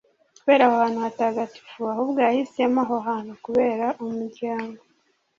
kubera aho hantu hatagatifu, ahubwo yahisemo aho hantu kubera umuryango